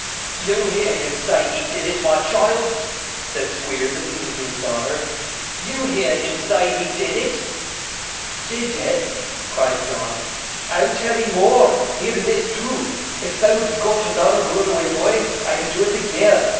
'You hear him say he did it, my child!' said Squeers, appealing to his daughter. 'You hear him say he did it!' 'Did it!' cried John. 'I'll tell 'ee more; hear this, too. If thou'd got another roonaway boy, I'd do it agean.